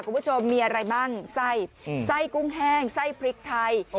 คุณผู้ชมมีอะไรบ้างไส้ไส้กุ้งแห้งไส้พริกไทย